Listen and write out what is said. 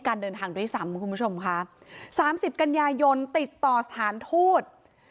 การเดินทางด้วยสามคุณผู้ชมค่ะ๓๐กันยายนติดต่อสถานทูต